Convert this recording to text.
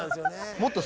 もっと奥？